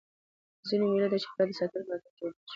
ځيني مېلې د چاپېریال د ساتني په هدف جوړېږي.